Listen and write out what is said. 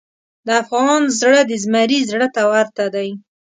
د افغان زړه د زمري زړه ته ورته دی.